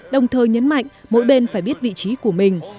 đồng thời nhấn mạnh mỗi bên phải biết vị trí của mình